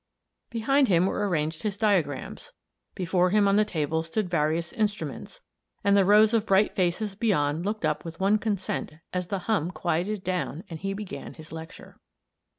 Behind him were arranged his diagrams, before him on the table stood various instruments, and the rows of bright faces beyond looked up with one consent as the hum quieted down and he began his lecture.